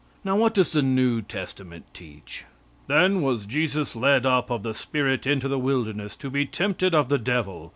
Now what does the new testament teach? "Then was Jesus led up of the Spirit into the wilderness to be tempted of the devil.